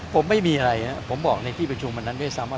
ผมไม่มีอะไรนะผมบอกในที่ประชุมวันนั้นด้วยซ้ำว่า